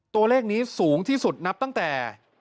ตัวเลขนี้สูงที่สุดนับตั้งแต่